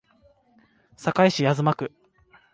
堺市東区